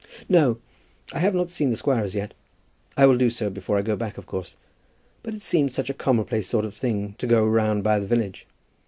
"No; I have not seen the squire as yet. I will do so before I go back, of course. But it seemed such a commonplace sort of thing to go round by the village."